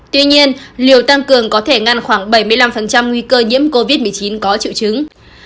tuy nhiên liều tăng cường có thể ngăn khoảng bảy mươi năm nguy cơ nhiễm covid một mươi chín có triệu chứng